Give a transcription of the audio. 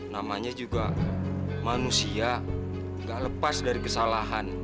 namanya juga manusia gak lepas dari kesalahan